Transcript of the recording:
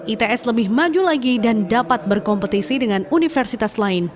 its lebih maju lagi dan dapat berkompetisi dengan universitas lain